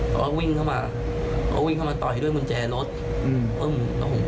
เขาก็วิ่งเข้ามาเขาวิ่งเข้ามาต่อยด้วยกุญแจรถอืม